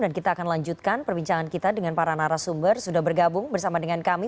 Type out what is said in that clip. dan kita akan lanjutkan perbincangan kita dengan para narasumber sudah bergabung bersama dengan kami